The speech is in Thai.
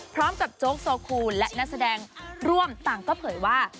พร้อมกับโจ๊กโซคูและนักแสดงร่วมต่างก็เผยว่า